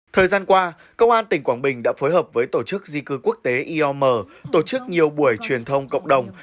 thời gian qua công an tỉnh quảng bình đã phối hợp với tổ chức di cư quốc tế iom tổ chức nhiều buổi truyền thông cộng đồng